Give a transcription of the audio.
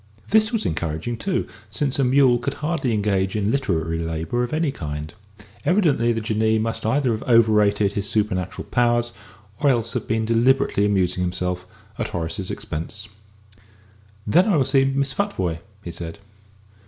This was encouraging, too, since a mule could hardly engage in literary labour of any kind. Evidently the Jinnee must either have overrated his supernatural powers, or else have been deliberately amusing himself at Horace's expense. "Then I will see Miss Futvoye," he said.